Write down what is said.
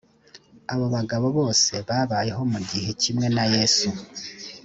abo bagabo bose babayeho mu gihe kimwe na yesu